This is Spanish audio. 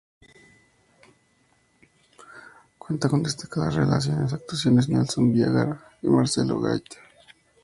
Cuenta con las destacadas actuaciones de Nelson Villagra y Marcelo Gaete.